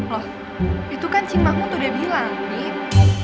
loh itu kan si makun udah bilang nih